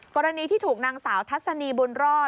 กรณีที่ถูกนางสาวทัศนีบุญรอด